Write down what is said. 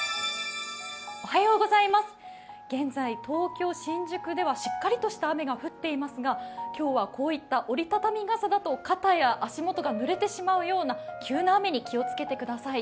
現在、東京・新宿ではしっかりとした雨が降っていますが今日はこういった折り畳み傘だと肩や足元がぬれてしまうような急な雨に気をつけてください。